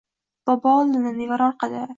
Bobo oldinda, nevara orqada.